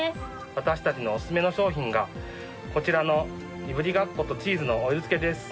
私たちのおすすめの商品がこちらのいぶりがっことチーズのオイル漬です。